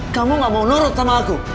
kamu gak mau nurut sama aku